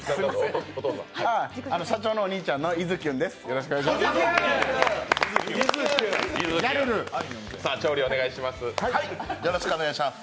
社長のお兄ちゃんのいずきゅんです、お願いします。